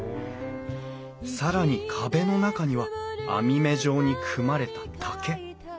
更に壁の中には網目状に組まれた竹。